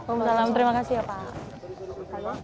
udah ya makasih ya